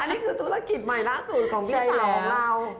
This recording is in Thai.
อันนี้คือธุรกิจใหม่หน้าสูตรของพี่สาวของเรา